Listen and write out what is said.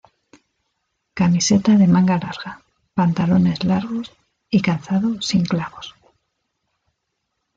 Camiseta de manga larga, pantalones largos y calzado sin clavos.